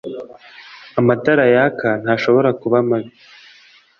amatara yaka ntashobora kuba mabi